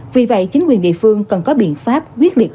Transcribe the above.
vì vậy chính quyền địa phương cần có biện pháp quyết liệt